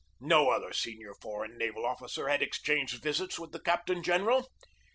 No other senior foreign naval officer had exchanged visits with the captain general.